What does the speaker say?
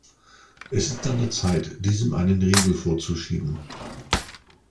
Es ist an der Zeit, diesem einen Riegel vorzuschieben.